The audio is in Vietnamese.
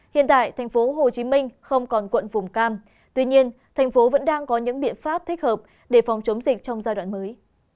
hiện tại thành phố hồ chí minh không còn quận vùng cam tuy nhiên thành phố vẫn đang có những biện pháp thích hợp để phòng chống dịch trong giai đoạn mới